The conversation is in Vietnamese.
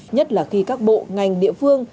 nhất là khi các bộ ngành địa phương